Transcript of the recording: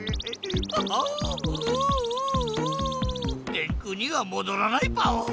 電空にはもどらないパオ。